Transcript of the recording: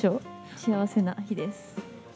幸せな日です。